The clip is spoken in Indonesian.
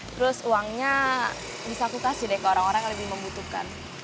terus uangnya bisa aku kasih deh ke orang orang yang lebih membutuhkan